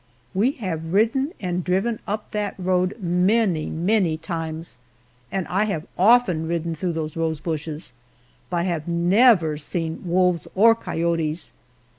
We have ridden and driven up that road many, many times, and I have often ridden through those rosebushes, but have never seen wolves or coyotes.